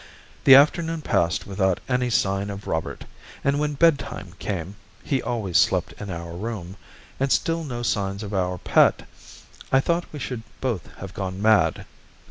The afternoon passed without any sign of Robert, and when bedtime came (he always slept in our room) and still no signs of our pet, I thought we should both have gone mad.